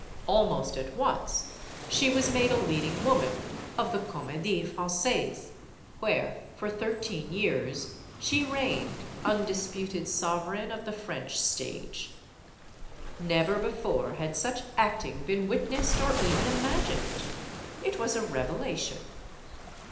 Almost at once, she was made a lead ADRIENNE LECOUVREUR 121 ing woman of the Comedie Francaise; where, for thirteen years, she reigned, undisputed sovereign of the French stage. Never before had such acting been witnessed or even imagined. It was a revelation.